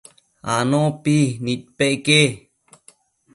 Anopi nidpeque